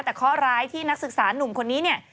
แต่ข้อร้ายที่นักศึกษานุ่มคนนี้